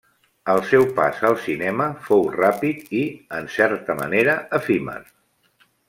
El seu pas al cinema fou ràpid i, en certa manera efímer.